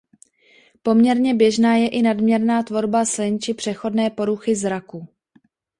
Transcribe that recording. Poměrné běžná je i nadměrná tvorba slin či přechodné poruchy zraku.